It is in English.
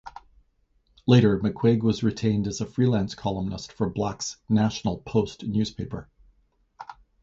Later McQuaig was retained as a freelance columnist for Black's "National Post" newspaper.